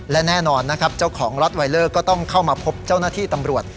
และแน่นอนนะครับเจ้าของล็อตไวเลอร์ก็ต้องเข้ามาพบเจ้าหน้าที่ตำรวจ